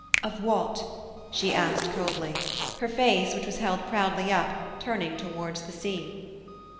"Of what?" she asked coldly, her face, which was held proudly up, turning towards the sea.